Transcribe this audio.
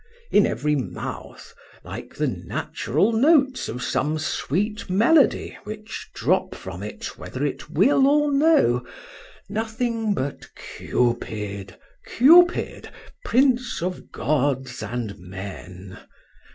—in every mouth, like the natural notes of some sweet melody which drop from it, whether it will or no,—nothing but "Cupid! Cupid! prince of gods and men!"